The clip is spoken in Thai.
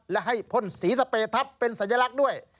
และให้พ่นสีสเปรทัพเป็นสัญลักษณ์ด้วย